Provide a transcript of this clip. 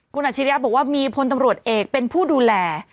คุณอาชิริยะบอกว่ามีพลตำรวจเอกเป็นผู้ดูแล